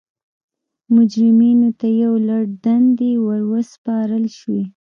مجرمینو ته یو لړ دندې ور وسپارل شوې.